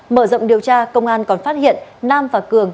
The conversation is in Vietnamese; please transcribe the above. mở rộng điều tra công an còn phát hiện nam và cường